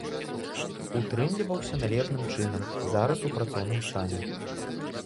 Утрымліваўся належным чынам, зараз у працоўным стане.